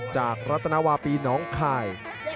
จากรัฐนวาปีน้องค่าย